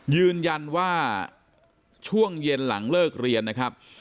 ยืนยันว่าช่วงเย็นหลังเลิกเรียนนะครับ